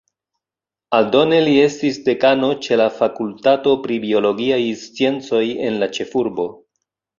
Aldone li estis dekano ĉe la fakultato pri biologiaj sciencoj en la ĉefurbo.